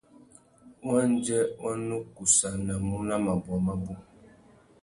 Wandjê wa nu kussānamú nà mabôwa mabú.